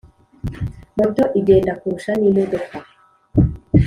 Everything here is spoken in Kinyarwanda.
moto igenda kurusha n'imodoka